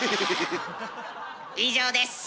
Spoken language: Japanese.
以上です。